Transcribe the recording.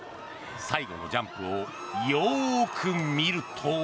最後のジャンプをよく見ると。